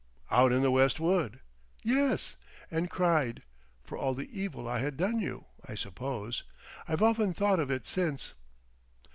"Out in the West Wood?" "Yes—and cried—for all the evil I had done you, I suppose.... I've often thought of it since."...